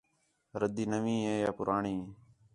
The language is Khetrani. ردّی نوی ہِے یا پُراݨی